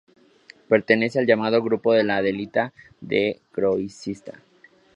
Pertenece al llamado "grupo de la adelita-descroizita".